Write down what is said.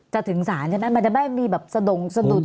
สถาบันด้วย